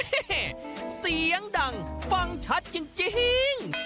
เสียงดังฟังชัดจริง